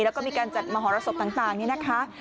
แล้วก็มีการจัดมหรสบต่างนี่นะคะ